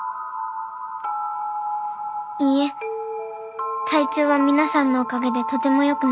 いいえ体調は皆さんのおかげでとてもよくなりましたよ。